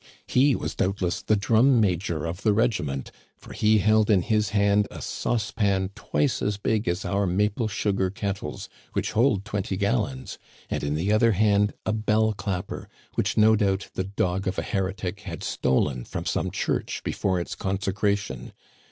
He was doubtless the drum major of the regiment, for he held in his hand a saucepan twice as big as our maple sugar kettles, which hold twenty gallons, and in the other hand a bell clapper, which no doubt the dog of a heretic had stolen from some church before its conse cration.